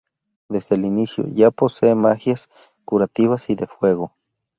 Desde el inicio ya posee magias curativas y de fuego.